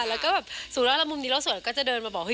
แล้วก็แบบสู่ละละมุมนี้แล้วส่วนอื่นก็จะเดินมาบอก